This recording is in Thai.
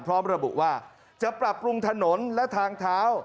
พร้อมระบุว่าจะปรับปรุงถนนและทางเท้า